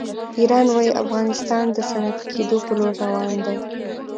ایران وایي افغانستان د صنعتي کېدو په لور روان دی.